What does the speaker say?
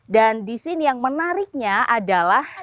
dan di sini yang menariknya adalah